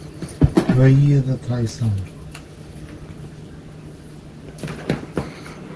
Baía da Traição